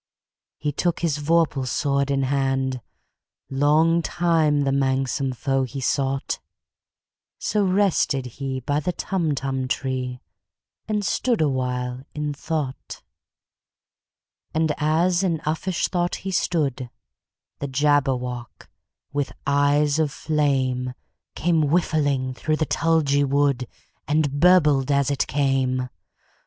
He took his vorpal sword in hand:Long time the manxome foe he sought—So rested he by the Tumtum tree, And stood awhile in thought. And as in uffish thought he stood, The Jabberwock, with eyes of flame, Came whiffling through the tulgey wood, And burbled as it came!